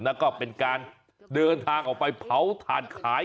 แล้วก็เป็นการเดินทางออกไปเผาถ่านขาย